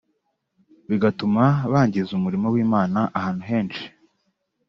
bigatuma bangiza umurimo w’Imana ahantu henshi